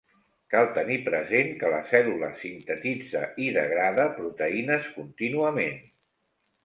Cal tenir present que la cèl·lula sintetitza i degrada proteïnes contínuament.